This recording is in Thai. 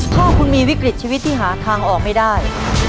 ถ้าคุณมีวิกฤตชีวิตที่หาทางออกไม่ได้